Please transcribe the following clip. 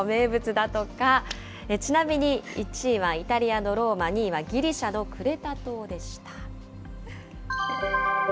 アイスクリームやコーヒーも名物だとか、ちなみに１位はイタリアのローマ、２位はギリシャのクレタ島でした。